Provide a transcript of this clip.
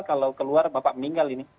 kalau keluar bapak meninggal ini